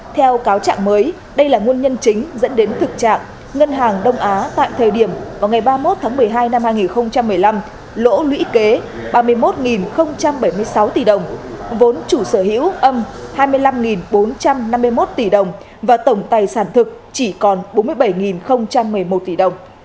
theo cáo trạng mới đây là nguồn nhân chính dẫn đến thực trạng ngân hàng đông á tại thời điểm vào ngày ba mươi một tháng một mươi hai năm hai nghìn một mươi năm lỗ lũy kế ba mươi một bảy mươi sáu tỷ đồng vốn chủ sở hữu âm hai mươi năm bốn trăm năm mươi một tỷ đồng và tổng tài sản thực chỉ còn bốn mươi bảy một mươi một tỷ đồng